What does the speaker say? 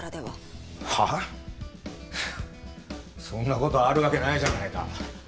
そんな事あるわけないじゃないか。